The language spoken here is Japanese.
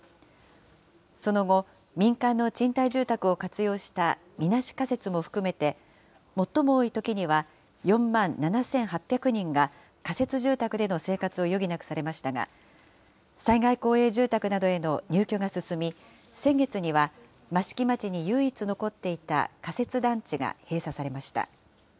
その後、民間の賃貸住宅を活用したみなし仮設も含めて、最も多いときには４万７８００人が仮設住宅での生活を余儀なくされましたが、災害公営住宅などへの入居が進み、先月には益城町に唯一残っていた仮設団地が閉鎖されました。